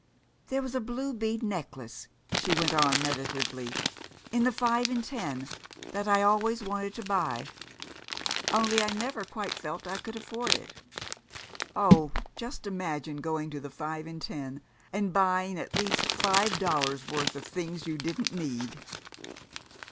There was a blue bead necklace," she went on meditatively, "in the Five and Ten, that I always wanted to buy. Only I never quite felt I could afford it. Oh, just imagine going to the Five and Ten and buying at least five dollars' worth of things you didn't need!"